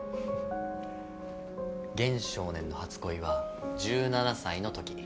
弦少年の初恋は１７歳のとき。